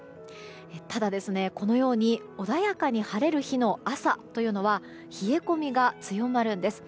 ただ、穏やかに晴れる日の朝というのは冷え込みが強まるんです。